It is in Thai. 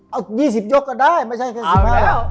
เอา๒๐ยกก็ได้ไม่ใช่แค่๑๕ยก